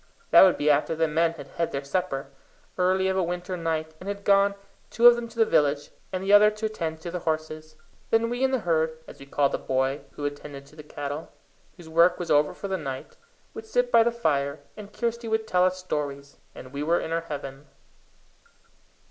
That would be after the men had had their supper, early of a winter night, and had gone, two of them to the village, and the other to attend to the horses. Then we and the herd, as we called the boy who attended to the cattle, whose work was over for the night, would sit by the fire, and Kirsty would tell us stories, and we were in our heaven.